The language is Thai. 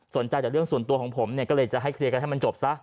จากเรื่องส่วนตัวของผมเนี่ยก็เลยจะให้เคลียร์กันให้มันจบซะ